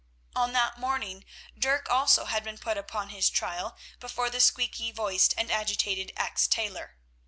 On that morning Dirk also had been put upon his trial before the squeaky voiced and agitated ex tailor.